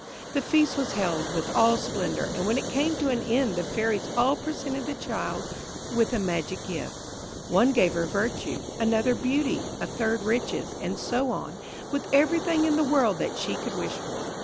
The feast was held with all splendour, and when it came to an end the fairies all presented the child with a magic gift. One gave her virtue, another beauty, a third riches, and so on, with everything in the world that she could wish for.